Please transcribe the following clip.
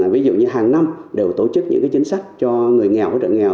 ví dụ như hàng năm đều tổ chức những chính sách cho người nghèo với trợ nghèo